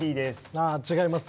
ああ違います。